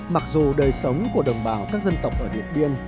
mặc dù đời sống của đồng bào các dân tộc ở điện biên